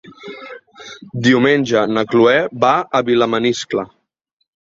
Diumenge na Cloè va a Vilamaniscle.